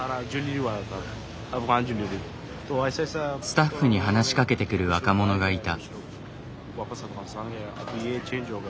スタッフに話しかけてくる若者がいた。